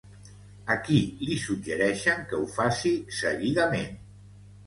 A qui li suggereixen que ho faci, seguidament?